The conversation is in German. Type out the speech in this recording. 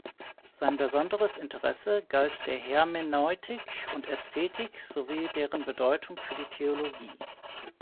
Sein besonderes Interesse galt der Hermeneutik und Ästhetik sowie deren Bedeutung für die Theologie.